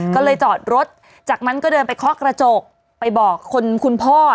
ก็เลยจอดรถจากนั้นก็เดินไปเคาะกระจกไปบอกคนคุณพ่อ